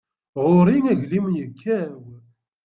Ɣur-i aglim yekkaw.